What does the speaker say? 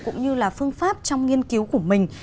cũng như là phương pháp trong nghiên cứu của mình